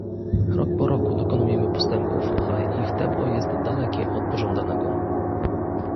Rok po roku dokonujemy postępów, ale ich tempo jest dalekie od pożądanego